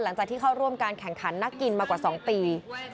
หลังจากที่เข้าร่วมการแข่งขันนักกินมากว่า๒ปี